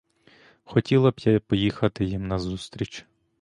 Хотіла б я поїхати їм назустріч.